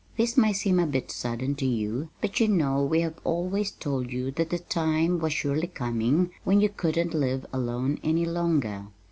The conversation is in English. This may seem a bit sudden to you, but you know we have always told you that the time was surely coming when you couldn't live alone any longer.